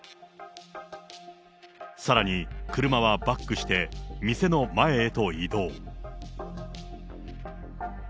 さらに車はバックして店の前へと移動。